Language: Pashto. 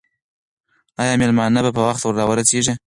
آیا مېلمانه به په وخت راورسېږي؟